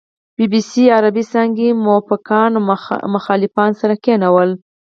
بي بي سي عربې څانګې موافقان او مخالفان سره کېنول.